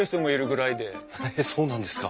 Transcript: へえそうなんですか。